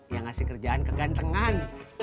yang ngasih kerjaan kegantengan